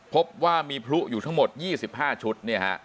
พบว่ามีพลุอยู่ทั้งหมด๒๕ชุด